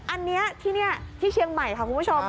อันนี้ที่นี่ที่เชียงใหม่ค่ะคุณผู้ชม